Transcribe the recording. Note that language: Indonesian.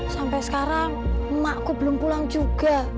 sampai sekarang emakku belum pulang juga